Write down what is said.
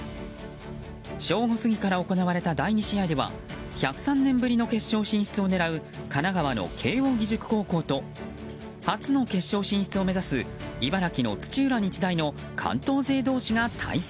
正午過ぎから行われた第２試合では１０３年ぶりの決勝進出を向かう神奈川の慶応義塾高校と初の決勝進出を目指す茨城の土浦日大の関東勢同士が対戦。